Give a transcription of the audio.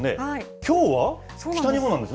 きょうは北日本なんですね？